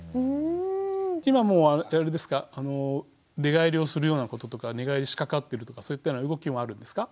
今もうあれですか寝返りをするようなこととか寝返りしかかってるとかそういったような動きもあるんですか？